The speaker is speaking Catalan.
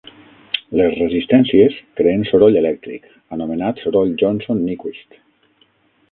Les resistències creen soroll elèctric, anomenat soroll Johnson-Nyquist.